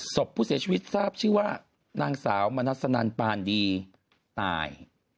ศพผู้เสียชีวิตทราบชื่อว่านางสาวมณัสนันปานดีตาย